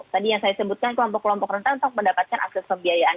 tadi yang saya sebutkan kelompok kelompok rentan untuk mendapatkan akses pembiayaan